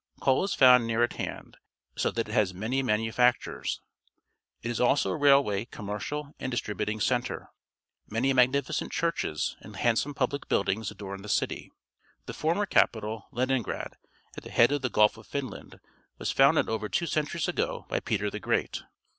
Coal is found near at hand, so that it has many manufactures. It is also a railway, commercial, and distributing centre. Many magnificent churches and handsome public buildings adorn the city. The former capital, Leningrad, at the head of the Gulf of Finland, was founded over two centuries ago bj^ Peter the Great.